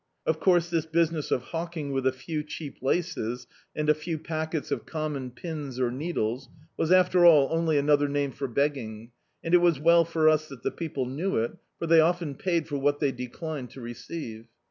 Of course this business of hawking with a few cheap laces, and a few packets of common pins or needles, was after all only another name for beg ging, and it was well for us that the people knew it, for they often paid for what they declined to receive.